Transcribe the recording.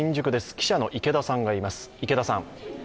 記者の池田さんがいます。